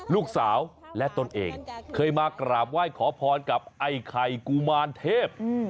ลูกสาวและตนเองเคยมากราบไหว้ขอพรกับไอ้ไข่กุมารเทพ